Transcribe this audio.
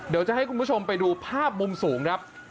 เดี๋ยวจะให้คุณผู้ชมไปดูภาพมุมสูงครับ